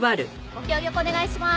ご協力お願いします。